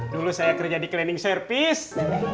dulu saya kerja di cleaning service